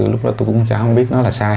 lúc đó tôi cũng cho không biết nó là sai